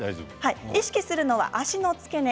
意識するのは足の付け根。